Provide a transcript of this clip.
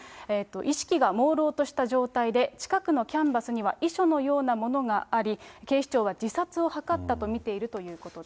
意識がもうろうとした状態で、近くのキャンバスには、遺書のようなものがあり、警視庁は自殺を図ったと見ているということです。